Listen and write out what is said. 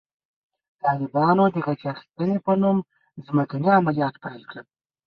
طالبانو د غچ اخیستنې په نوم ځمکني عملیات پیل کړل.